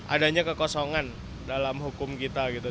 adanya kekosongan dalam hukum kita gitu